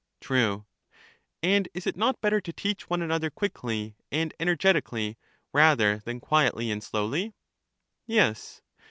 True. And is it not better to teach one another quickly and energetically, rather than quietly and slowly? Yes.